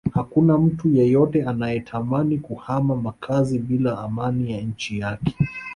Hakuna mtu yeyote anayetamani kuhama makazi bila amani ya nchi yake